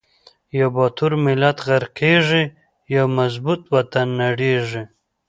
یو باتور ملت غر قیږی، یو مضبوط وطن نړیږی